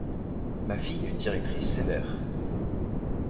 Ma fille a une directrice sévère.